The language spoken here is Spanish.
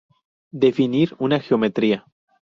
Definir una geometría.